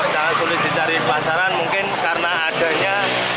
sangat sulit dicari pasaran mungkin karena adanya